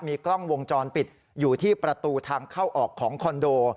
มีกล้องวงจรปิดอยู่ที่ประตูทางเข้าออกของคอนโด